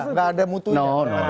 nggak ada mutunya